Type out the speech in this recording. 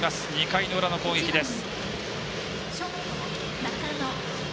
２回の裏の攻撃です。